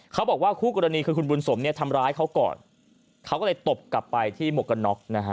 เขาบอกว่าคู่กรณีคือคุณบุญสมทำร้ายเขาก่อนเขาก็เลยตบกลับไปที่มกน็อก